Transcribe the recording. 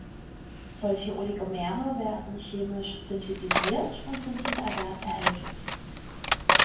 Solche Oligomere werden chemisch synthetisiert und sind zum Erwerb erhältlich.